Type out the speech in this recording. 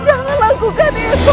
jangan lakukan itu